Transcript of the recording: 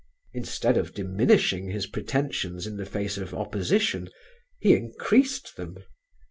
Instead of diminishing his pretensions in the face of opposition he increased them.